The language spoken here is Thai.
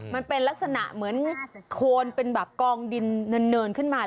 มันเป็นลักษณะเหมือนโคนเป็นแบบกองดินเนินขึ้นมา